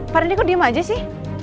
pak rendy kok diem aja sih